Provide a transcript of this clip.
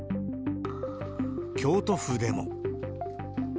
京都府でも。